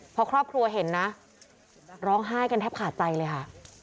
พอครอบครัวเห็นนะร้องไห้กันแทบขาดใจเลยค่ะ